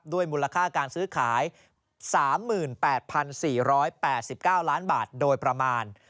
มูลค่าการซื้อขาย๓๘๔๘๙ล้านบาทโดยประมาณ